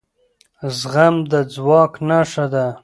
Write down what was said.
زغم د ځواک نښه ده